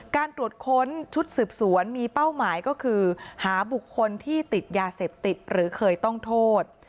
การตรวจค้นชุดสืบสวนมีเป้าหมายก็คือหาบุคคลที่ติดยาเสพติดหรือเคยต้องโทษ